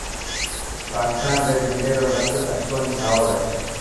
پاڪستان ري جهنڊي رو رنگ اڇو ۽ سائو هي.